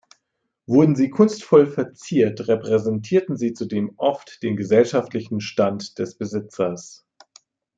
Wurden sie kunstvoll verziert, repräsentierten sie zudem oft den gesellschaftlichen Stand des Besitzers.